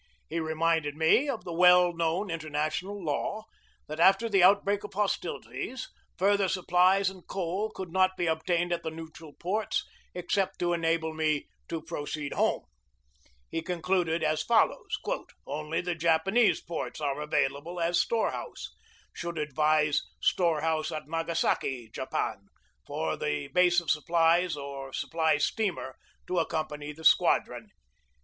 He reminded me of the well known international law, that after the outbreak of hostilities further supplies and coal could not be obtained at the neutral ports, except to enable me to proceed home. He concluded as follows: "Only the Japanese ports are available as storehouse. Should advise storehouse at Nagasaki, Japan, for the base of supplies or supply steamer to accompany the squadron."